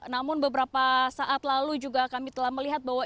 namun beberapa saat lalu juga kami telah melihat bahwa